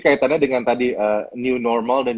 kaitannya dengan tadi new normal dan